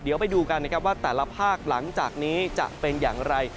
เดี๋ยวไปดูกันนะครับว่าแต่ละภาคหลังจากนี้จะเป็นอย่างไร